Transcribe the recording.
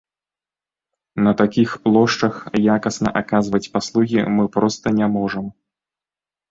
На такіх плошчах якасна аказваць паслугі мы проста не можам.